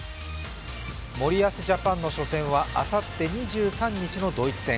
森保ジャパンの初戦はあさって２３日のドイツ戦。